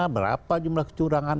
berapa jumlah kecurangan